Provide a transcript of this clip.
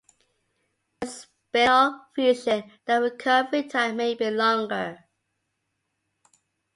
With spinal fusion, the recovery time may be longer.